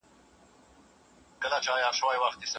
ملا وویل چې ما ته غږ وکړه.